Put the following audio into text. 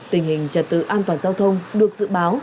tình hình trật tự an toàn giao thông được dự báo